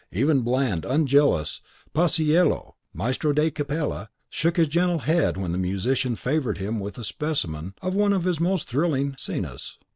Even bland, unjealous Paisiello, Maestro di Capella, shook his gentle head when the musician favoured him with a specimen of one of his most thrilling scenas.